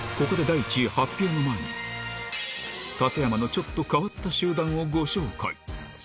ここで第１位発表の前に、館山のちょっと変わった集団をご紹介。